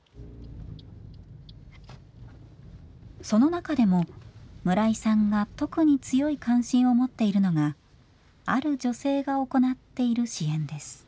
その中でも村井さんが特に強い関心を持っているのがある女性が行っている支援です。